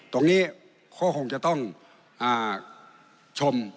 ตรงนี้ก็คงจะต้องชม